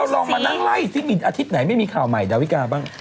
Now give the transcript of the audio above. ลองมานั่งไล่ซิมินอาทิตย์ไหนไม่มีข่าวใหม่ดาวิกาบ้าง